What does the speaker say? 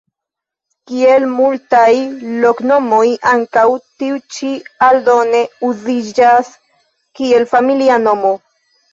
Kiel multaj loknomoj, ankaŭ tiu ĉi aldone uziĝas kiel familia nomo.